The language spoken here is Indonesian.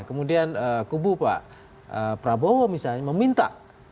kemudian kubu pak prabowo misalnya meminta